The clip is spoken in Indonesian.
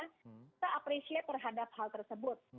kita appreciate terhadap hal tersebut